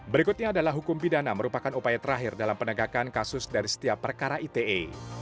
berikutnya adalah hukum pidana merupakan upaya terakhir dalam penegakan kasus dari setiap perkara ite